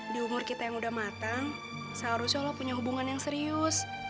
di umur kita yang udah matang seharusnya allah punya hubungan yang serius